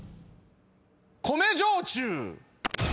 米焼酎！